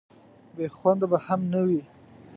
بې خونده به هم نه وي.